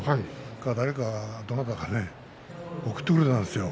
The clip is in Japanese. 誰か、どなたからね贈ってくれたんですよ